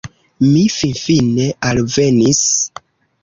- Mi finfine alvenis